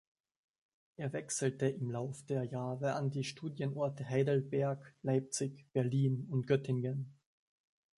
Er wechselte im Lauf der Jahre an die Studienorte Heidelberg, Leipzig, Berlin und Göttingen.